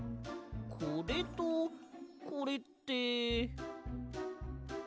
これとこれって。